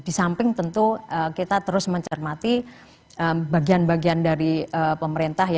di samping tentu kita terus mencermati bagian bagian dari pemerintah